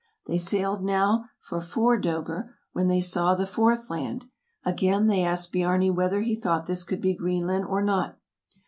They sailed now for four "dcegr," when they saw the fourth land. Again they asked Biarni whether he thought this could be Green land or not.